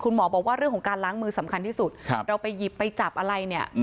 หมอบอกว่าเรื่องของการล้างมือสำคัญที่สุดเราไปหยิบไปจับอะไรเนี่ย